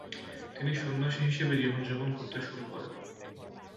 তিনি সন্ন্যাসী হিসেবে জীবন যাপন করতে শুরু করেন।